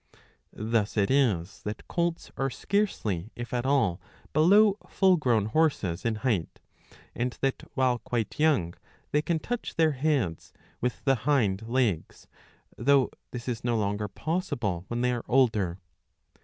•Thus it is that colts are scarcely, if at all, below full grown horses in height ; and that while quite young they can touch their heads with the hind legs, though this is no, longer possible when they are older.